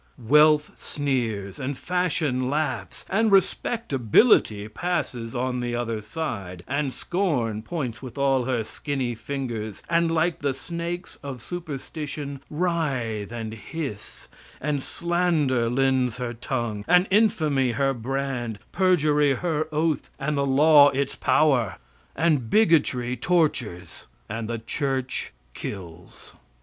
Wealth sneers, and fashion laughs, and respectability passes on the other side, and scorn points with all her skinny fingers, and, like the snakes of superstition, writhe and hiss, and slander lends her tongue, and infamy her brand, perjury her oath, and the law its power; and bigotry tortures and the church kills.